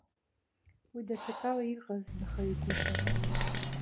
Уи даҽакала иҟаз нхаҩгәышьан.